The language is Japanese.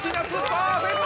パーフェクト。